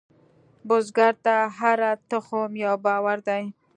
بزګر ته هره تخم یو باور دی